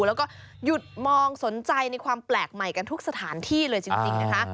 แล้วก็หยุดมองสนใจในความแปลกใหม่กันทุกสถานที่เลยจริงนะคะ